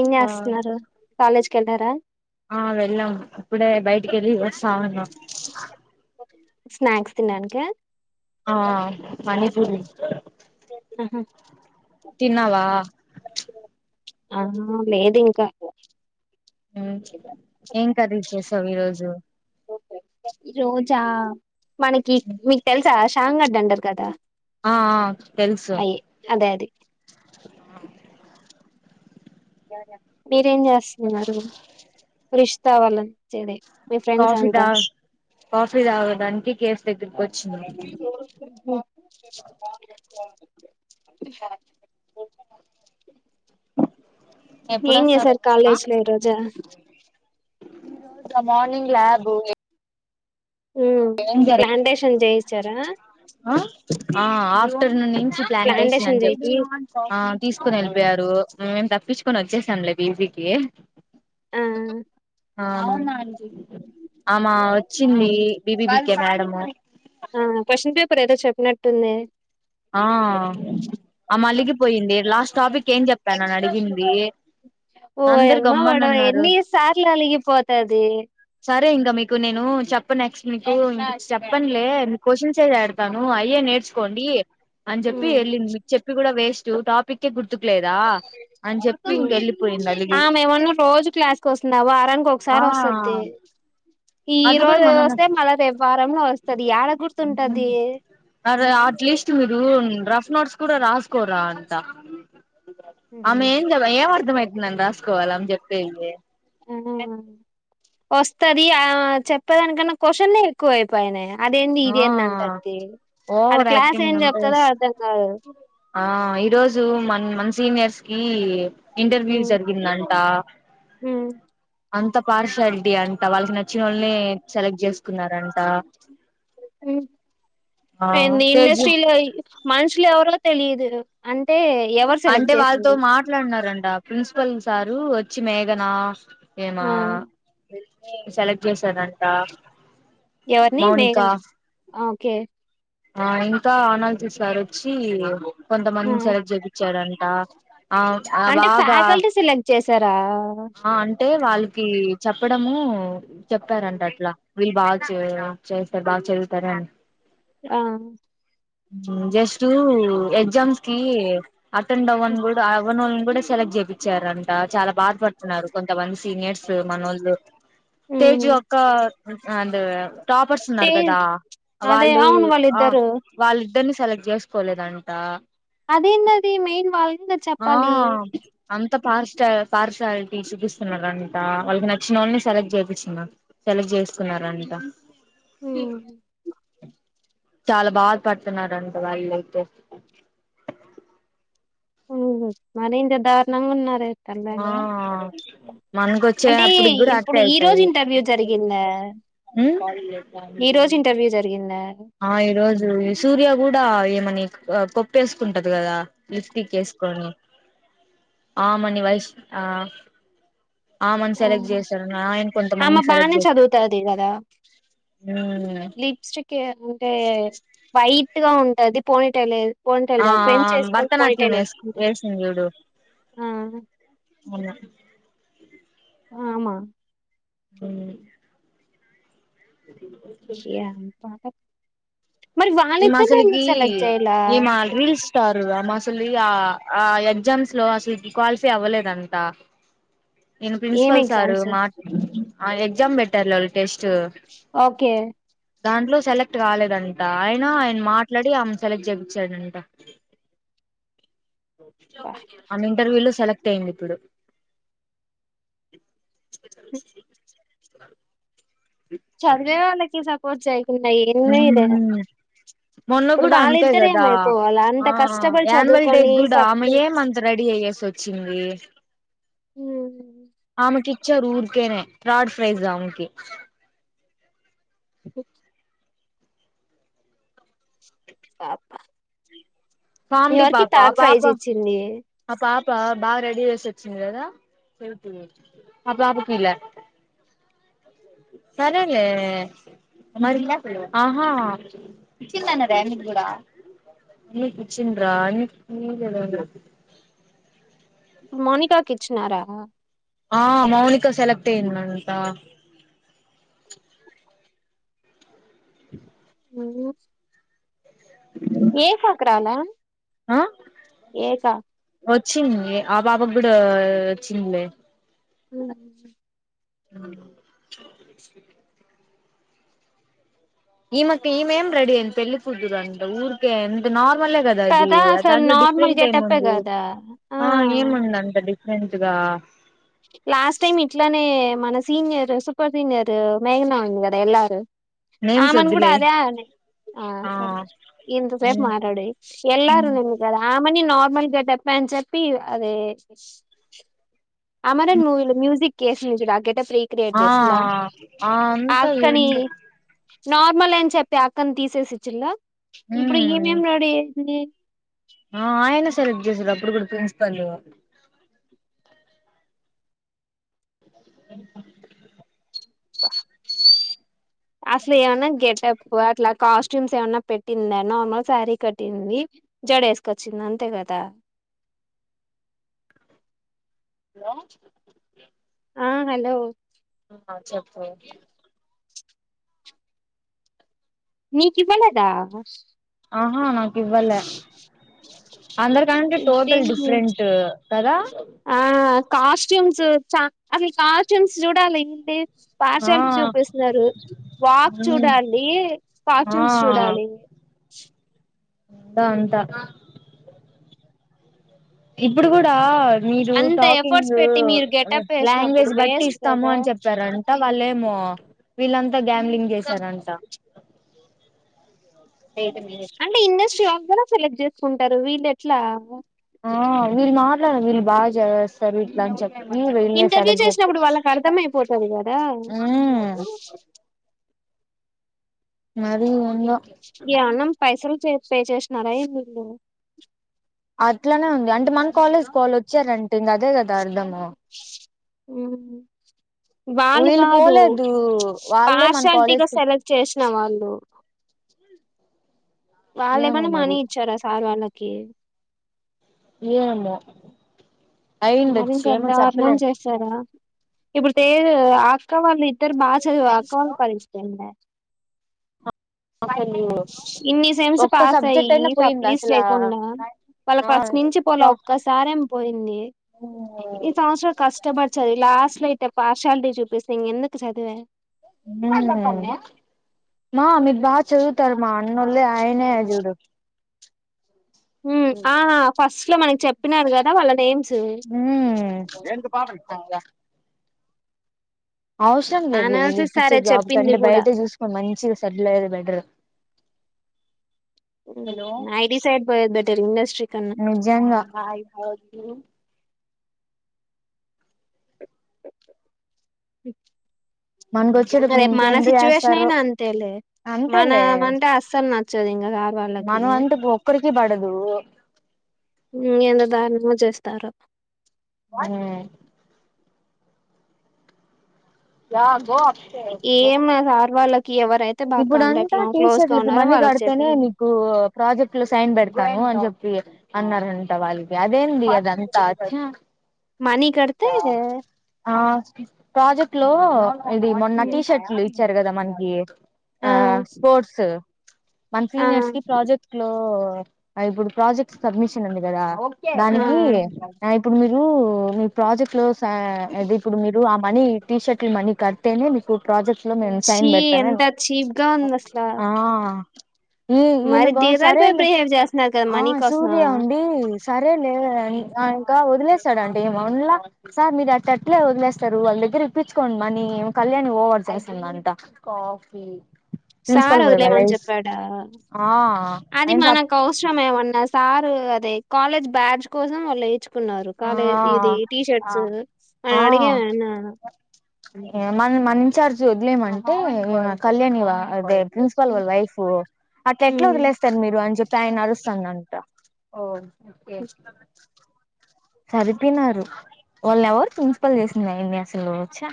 ఏం ఆ చేస్తున్నారు కాలేజ్ కేలరా ఆ వెళ్ళాం ఇప్పుడే బయటికి వెళ్ళి వస్తా ఉన్నా స్నాక్స్ తిన్నానీకా ఆ మనీ పూరి ఉహు తిన్నావా ఆ లేదు ఇంకా ఏం కర్రి చేశా విరోజు రోజా మనకి మీకు తెలుసా షామ్ గడ్డ డర్ కదా ఆ తెలుసు అయి అదే అది ఆ మీరేం చేస్తున్నారు రిషతో వాళంచేదే కాఫీ దా కాఫీ తాగడానికి కేసు దగ్గరకి వచ్చింది ఉహు. [inaudible] ఏన్ ఎప్పుడొస్తారు సార్ కాలేజ్ తెలుసా లో ఈ రోజ మార్నింగ్ ల్యాబ ఏం జర ప్లాంటేషన్ చేయిచ్చారా ఆఫ్టర్నూన్ నుంచి ప్లాంటేషన్ అని చెప్పి తీసుకుని వెళ్ళ రు మేము తప్పించుకొని వచ్చేసాంలే బిజీకి [inaudible] ఆ ఆ ఆమా వచ్చింది బిబీబక మేడము ఆ క్వశ్చన్ పేపర్ ఏదో చెప్పినట్టుంది ఆ ఆ మళ్ళకిపోయింది [inaudible] ఓ అందరు అమ్మా పడం గమ్మనున్నారు ఎన్ని సార్లు అలిగిపోతది సరే ఇంకా మీకు నేను చెప్ప నెక్స్ట్ మీకు చెప్పంలే క్వశ్చన్స్ అది ఆడతాను అయ్య నేర్చుకోండి అని చెప్పి ఎల్ చెప్పి కూడా వే ఇ టాపిక్ ఇంక వెళ్ళిపోయింది అలిగి ఆ మేమన్నా రోజు క్లాస్ కు వస్తుంద వారానికి ఆ ఒకసారి వస్తుది ఈ అది కూడా రోజు మనన్న వస్తే మళ్ళ రేపు వారంలో వస్తది ఏడ గుర్తుంటది అరే అట్లీస్ట్ మీరు రఫ్ నోట్స్ కూడా రాస్కోరా అంత ఆమె ఏం ఏం అర్ధమైతే నన్ను రాసుకోవాలి అం చెప్పేయే ఆ [inaudible] వస్తది ఆ చెప్పేదానికన్నా క్వశన్ ఎక్కువ అయిపోయినాయా అదేంటి ఇది ఆ అన్న అంట అడ ఓవర్ క్లాస్ యాక్టింగ్ ఏం అంత చెప్తందో అర్ధం కాదు ఆ ఈరోజు మ మన సీనియర్స్ కి ఇంటర్వ్యూ ఉమ్ జరిగిందంట ఉమ్ అంత పార్షాలిటీ అంట వాళ్ళకి నచ్చిన వాళ్ళనే సెలెక్ట్ చేసుకున్నారంట ఆ అ తేజు ఇండస్ట్రీలో మనుష ఇట్లు ఎవరో తెలియదు అంటే ఎవరు అంటే సెలెక్ట్ వాళ్ళతో చేసింది మాట్లాడినారండి ప్రిన్సిపల్ సారు వచ్చి మేఘనా ఆ ఏమా ని సెలెక్ట్ చేసారంట ఎవరిని మేఘన కే ఆ ఇంకా అనంత్ సార్ వచ్చి ఆ కొంతమందిని సెలెక్ట్ చూపించాడంట అంటే ఫ్యాకల్టీ సెలెక్ట్ చేసారా ఆ అంటే వాళ్ళకి చెప్పడము చెప్పారంట అట్లా వీళ్ళు బాగా చే చేస్తారు బాగా చదువుతార అ ఆ జస్ట్ ఎగజామ్స్ కి అతం అవన్ బడ్ అవన్ కూడా సెలెక్ట్ చేయిించారంట చాలా బాధపడుతున్నారు కొంతమంది సీనియర్స్ మనోలు ఉమ్ తేజు అక్క అ టాపర్స్ తే ఉన్నారు కదా అదే వాళ్ళు అవును వాళ్ళిద్దరు వాల్ ఇద్దరిని సెలెక్ట్ చేసుకోలేదంట అధిఎందిఅది మెన్ వాళ్ళకి కదా ఆ చెప్పాలి అంత పార్ పార్షాలిటీ చూపిస్తున్నారంట వాళ్ళకి నచ్చిన వాళ్ళని సెలెక్ట్ చేపిస్తున్నారు సెలెక్ట్ చేస్తున్నారంట హమ్ అ చాలా బాధ పడుతున్నంట వాళ్ళ అయితే మరి ఇంత దారుణంగా ఉన్నారే తల్లే ఆ మనకొచ్చే అంటే అప్పుటికి కూడా ఇప్పుడు అట్టే ఈ రోజు అయితది ఇంటర్వ్యూ జరిగిందా ఉమ్ ఈ రోజు ఇంటర్వ్యూ జరిగిందా ఆ ఈరోజు ఈ సూర్య కూడా ఏమని కొప్పేసుకుంటది కదా లిఫ్టీకి వేసుకొని ఆ మని వైష్ ఆ ఆ మని సెలెక్ట్ చేశారు ఆయన కొంత ఆమె మందిని సెలెక్ట్ బానే చేస్తారు చదువుతది కదా లిప్స్టిక్ అంటే వైట్ ట్గా ఉంటుది పోనిట లేదు ఆ ఆ భరతనాట్యం వేష్ వేసుకుంటే వేసింది చూడు ఆ మొన్న ఆమ అ ఇ ప మరి ఈమె వాళ్ళిద్దర్నీ ఎందు సెలెక్ట్ చేయలా రు అసలు ఆ ఆ ఎగ్జామ్స్ లో అసలు క్వాలిఫై అవ్వలేదంతా నేను ఏం ప్రిన్సిపల్ సారు ఎగ్జామ్స్ మాట్ ఎక్జా బెట్టర్ల టెస్ట్ ఓకే దాంట్లో సెలెక్ట్ కాలేదంటా ఆయన ఆయన మాట్లాడి ఆమె సెలెక్ట్ చేపించాడంట అబ్బా మ ఇంటర్వ్యూ లో సెలెక్ట్ టేమి ఇప్పుడు [inaudible] [inaudible] చదివే నకి స పజయి మొన్న ఇప్పుడు కూడా అంతే వాళ్ళిద్దరు కదా ఏమైపోవాలా అంత కష్టపడి యాన్వల్ డే చదువుకొని కూడా ఆమె సప్లి ఏ మంత్ రెడీ అయ్యేసి వచ్చింది ఆమెకి అచర ఊరుకనే ఫ్రాడ్ ఫైజ కి [inaudible] పాప కామెడీ ఎవరికి పాప ఆ థర్డ్ ట్రై పాప చే ఇసిది ఆ పాప బాగా రెడీ వసి వచ్చింది కదా పాపకి ఇ సరే మరి చి చింటనిద ఇప్పుడు మోనికాకి ఇచ్చినారా ఆ మౌలిక సెలెక్ట్ అయందిన్నాంతా అవు ఏస కాల ఏస చిన్నలే ఆ బాబాకి కూడా చిన్నలే అ అ [inaudible] ఈ మక్క ఈ మేం రెడి అంత పెళ్ళి కుతురు అంత ఊర్క ఎంద నాాలు లే కదా అది అసలు దాంట్లో నార్మల్ డిఫరెంట్ గెటప్పే ఏముంది కదా ఆ ఏముంది అంత ఫెజగా లాస్ట్ టైమ్ ఇట్లానే మన సీనియర్ సూపర్ సీనియరు మేఘనా ఉంది కదా ఎలాారు నేమ్స్ ఆమన్ వద్దులే కూడాడా అదే ఆ ఆ సర ఇంత సేపు ఉమ్ మారాడు ఎల్రు నమ్కి అద ఆ అమ్మని నార్మల్గా చెప్పా అని చెప్పి అదే అమరన్ మూవీలో మ్యూజిక్ కేసు ను చడాగ ఆ ఆ అంత ఏందో నార్మల్ అని చెప్పి అక్కను తీసేసి ఇచ్చిల్లా ఇప్పుడు ఈమె మ్మ్ ఎం రాడి నే ఆ ఆయన సెలెక్ట్ చేసారు అప్పుడు కూడా ప్రిన్సిపాల్ అ అసలు ఏమైనా గెటప్ అట్లా కాస్ట్యూమ్స్ ఏమన్నా పెట్టిందా నార్మల్ శారీ కట్టింది జడేసుకొచ్చింది అంతే కదా హలో ఆ హలో ఆ చెప్పు నీకు ఇవ్వలేదా ఆహా ఇవ్వల అందరి కంటే టోటల్ ఇదేంది డిఫరెంట్ కదా ఆ కాస్ట్యూమ్స్ చ అసలు కాస్ట్యూమ్స్ చూడాలి వీ ఆ పార్చాలిటీ చూపిస్తున్నారు వాక్ మ్మ్ చూడాలి ఆ కాట్యూమ్స్ చూడాలి [unintelligible] అంతా ఇప్పుడు కూడా మీరు అంత టాకింగ్ ఎఫర్ట్స్ పెట్టి మీరు గెటప్ వేసినప్పుడు లాంగ్వేజ్ బట్టి వేస్ట్ ఇస్తాము కదా అని చెప్పారంట వాళ్ళేమో వీళ్ళంతా గ్యామ్లింగ్ చేశారంట అంటే ఇండస్ట్రీ [unintelligible] సెలెక్ట్ చేసుకుంటారు వీళ్ళు ఎట్లా ఆ వీళ్ళు మాట్లాడారు వీళు బాగా చదివేస్తారు ఇట్లా అని చెప్పారు ఇంటర్వ్యూ చేసినప్పుడు వాళ్ళకి అర్థం అయిపోతది కదా మ్మ్ అది ఎమన్నా పైసలు చే పే చేసినారా వీళ్ళు అట్లానే ఉంది అంటే మన కాలేజ్ వలచ్చు వచ్చార అంటే ఇంగా అదే కదా అర్ధం ఆ ఉ వాళ్ళు కాదు పోలేదు వాళ్ళే మన పార్షాలిటీగా కాలేజ్ కి సెలెక్ట్ చేసిన వాళ్ళు వాళ్ళ ఏమో ఏమన్నానా మరి మనీ ఇచ్చారా సార్ వాళ్ళకి కే ఏమో అయిండొచ్చు మరింత ఏమో దారుణం చెప్పలేము చేస్తారా ఇప్పుడు తేజ అక్కా వాళ్ళు ఇద్దరు బాగ్చదివే అక్కవాల్‌ పరిస్తిదేందిమే అసలు ఇన్ని సెమ్స్ ఒక్క పాస్ అయి సబ్జెక్ట్ ఈ అయినా పోయిందా సప్లీస్ అసలా లేకుండా వాళ్ళక్ ఆ ఫస్ట్ నుంచి పోల ఒక్కసారి ఏం పోయింది ఇన్ని సంవత్సరాలు కష్టపడ్చదివి లాస్ట్ ఎట్ల ఇట పార్షాలిటీ జూపిస్తే ఇంక ఎందుకు చదివే ఉమ్ మా మీర్ బాగ్చదువుతార్‌ మా అన్నోలే అయనే జూడు ఉమ్ ఆహా ఫస్ట్ లో మనకి చెప్పినారు గదా వాళ్ళ నేమ్స్ ఊమ్ తంగా అవసరం లేదులే అనాలసిస్ వీళ్పిచ్చే సారే జాబ్ చెప్పింది కంటే కూడా బయట చూసుకొని మంచిగా సెటిల్‌ అయ్యేది బెటర్ [unintelligible] ఐది సైడ్ బోయేది బెటరు ఇండస్ట్రీ కన్నా నిజంగా మనకు వచ్చేటప్పుడు రేపు మన ఇంకెందుకు సిచ్యువేషన్ చేస్తారో అయినా అంతేలే అంతేలే మనమంటే అస్సల్‌ న [unintelligible] మనం అంటే ఒక్కరి కిబడదు హ్మ్ ఎంత దార్నమొ జేస్తారో హామ్ యా గో ఏం సార్ వాళ్ళకి ఎవరైతే బాగా కాంటాక్ట్ ఇప్పుడంతా లో క్లోజ్ గా టీచర్లకి ఉన్నారో మనీ వాళ్ళకి కడితేనే చెప్పేది మీకు ప్రాజెక్ట్ లో సైన్ పెడతార్‌ అని చెప్పి అన్నారంట వాళ్ళకి అదేంది అదంత మనీ కడ్తే ప్రాజెక్ట్ లో ఇది మొన్న టీషర్ట్లు వచ్చారు కదా మనకి ఆ స్పోర్ట్స్ ఆ మంత్లీనియర్స్ కి ప్రాజెక్ట్ లో ఆ ఇప్పుడు ప్రాజెక్ట్ సబ్మిషన్ ఉంది కదా ఆ దానికి ఇప్పుడు మీరు రూ ప్రాజెక్ట్ లో అది ఇప్పుడు మీరు మనీ టీషర్ట్లు మనీ కడితేనే మీకు ప్రాజెక్ట్ మెంట్లో మ్యామ్ సైన్ చీ బెడతనా ఎంత ఏంద్ చీప్ గా ఉంది అసలు ఆ ఈ మరి ఈయనగో దిగ్ జారిపై సరేలే బిహేవ్ చేస్తున్నారు కదా మనీ కోసం సరే లేదండ్ ఇంకా వదిలేశాడండీ మళ్ళ సార్ మీరు అట్టెట్లా వదిలేస్తారు వాళ్ళ దగ్గర ఇప్పించుకోండి మని కళ్యాణి ఓవర్ చేస్తున్నాడ్ అంట కాఫీ సార్ వదిలేమని చెప్పాడా ఆ అది ఆయన సప్ మనకు అవసరం ఏమన్నా సార్ అదే కాలేజ్ బ్యాడ్జ్ కోసం వాళ్ళు వలేచ్ కున్నారు ఆ కాలేజ్ ఇది టీషర్ట్స్ అయన అడిగా అయిన మన్ మన ఇన్ చార్జ్ వదియమంటే అంటే అ కళ్యాణి వా అదే ప్రిన్సిపాల్ వాళ్ళ వైఫ్ అట్లా ఎట్లా హ్మ్. వదిలేస్తారు మీరు అని చెప్ప్ ఫైన్ నడుస్తున్నదంట ఓ [inaudible] ఓకే సరిపీనారు వాళ్ళు ఎవరు ప్రిన్సిపల్ చేసింది ఈడ్ అసలు చ్చా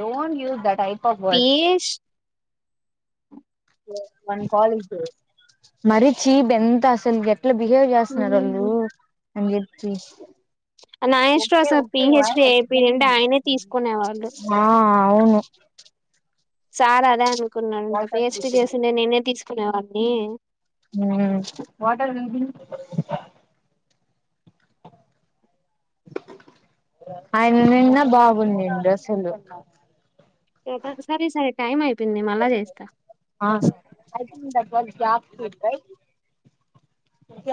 డోట్ యూ దట్ ఐ పీస్ మన్ కాలేజీలో మరి చీప్ ఎంత అసల్ గ ఇట్లా బిహేవ్ చేస్తున్నారు హ్మ్. వాళ్ళు అంేీ నా ఇష్టం అసలు పీహెచ్‌డీ అయిపోయింటే ఆయనే తీసుకునేవాళ్ళు. [inaudible] ఆ అవును సార్ అదే అను కుంన్నాడంట పిహెచ్ డి చేసుంటే నేనే తీసుక్ ఎవరిన్ని ఉమ్ వాటర్ ఆయన్ నిన్న బాగుండేను [unintelligible] చేసిండు టైమ్ ఐయిప్ పీన్ని మళ్ళా చేస్తా అల్ జాస్తి ఉ [inaudible]